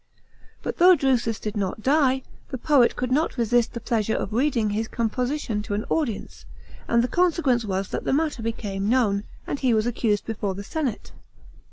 But, though Drusus did not die, the poet could not resist the pleasure of reading his compo*ition to an audience, and the consequence was that the matter became known, and he was accused before the senate.